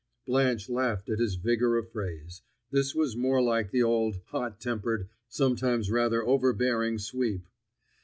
Blanche laughed at his vigor of phrase; this was more like the old, hot tempered, sometimes rather overbearing Sweep.